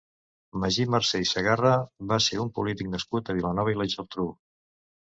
Magí Marcé i Segarra va ser un polític nascut a Vilanova i la Geltrú.